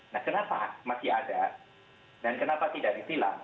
kenapa masih ada dan kenapa tidak disilam